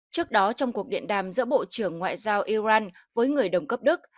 trước đó trong cuộc điện đàm giữa bộ trưởng ngoại giao iran với người đồng cấp đức